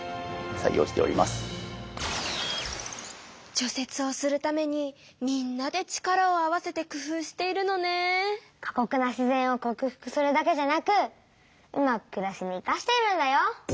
除雪をするためにみんなで力を合わせて工夫しているのね。かこくな自然をこく服するだけじゃなくうまくくらしにいかしているんだよ。